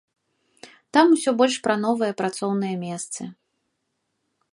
Там усё больш пра новыя працоўныя месцы.